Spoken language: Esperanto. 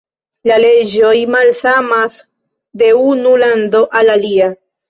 La leĝoj malsamas de unu lando al alia.